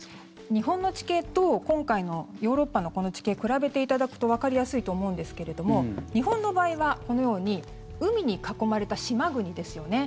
日本の地形と今回のヨーロッパの地形を比べていただくとわかりやすいと思うんですけれど日本の場合はこのように海に囲まれた島国ですよね。